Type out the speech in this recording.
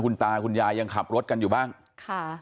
คุณตาคุณยายยังขับรถกันอยู่บ้างค่ะ